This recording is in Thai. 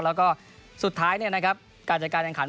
แล้วก็สุดท้ายการจัดการแข่งขัน